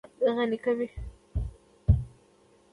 آزاد تجارت مهم دی ځکه چې موزیمونه غني کوي.